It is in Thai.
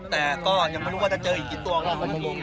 แบบปกป้อง